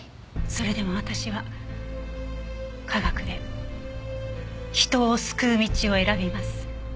それでも私は科学で人を救う道を選びます。